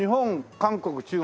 韓国中国